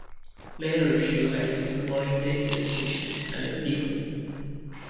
Later she was active in promoting safety education and in the peace movement.